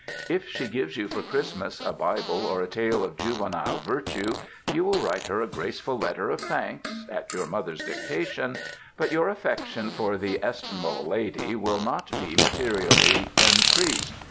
If she gives you for Christmas a Bible or a tale of juvenile virtue, you will write her a graceful letter of thanks (at your mother's dictation), but your affection for the estimable lady will not be mate rially increased.